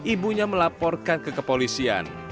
ibunya melaporkan ke kepolisian